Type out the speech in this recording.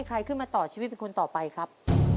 ตัวเลือกที่๔ถ้วยที่๔ครับ